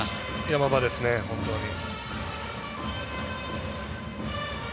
山場ですね、本当に。